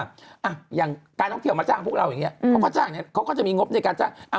อย่างการท่องเที่ยวมาจ้างพวกเราอย่างนี้เขาก็จ้างเนี่ยเขาก็จะมีงบในการจ้าง